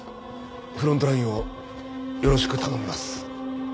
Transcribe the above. フロントラインをよろしく頼みます。